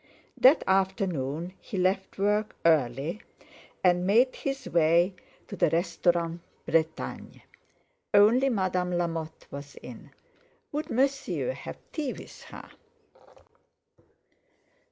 That afternoon he left work early and made his way to the Restaurant Bretagne. Only Madame Lamotte was in. Would Monsieur have tea with her?